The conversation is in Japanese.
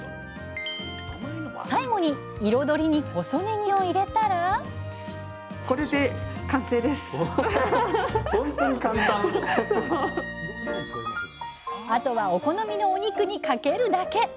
最後に彩りに細ねぎを入れたらあとはお好みのお肉にかけるだけ！